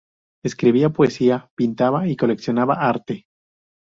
Escribía poesía, pintaba y coleccionaba arte.